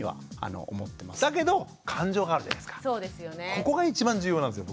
ここが一番重要なんですよ。